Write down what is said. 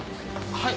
はい。